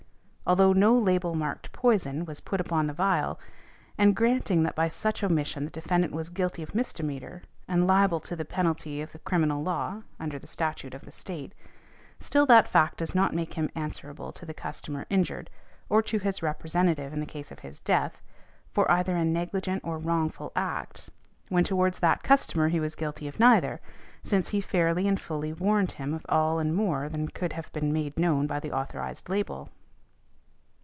Although no label marked 'poison' was put upon the phial, and granting that by such omission the defendant was guilty of misdemeanor and liable to the penalty of the criminal law (under the statute of the State), still that fact does not make him answerable to the customer injured, or to his representative in case of his death, for either a negligent or wrongful act, when towards that customer he was guilty of neither, since he fairly and fully warned him of all and more than could have been made known by the authorized label.